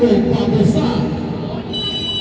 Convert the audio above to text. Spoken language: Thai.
อัศวินธรรมชาติ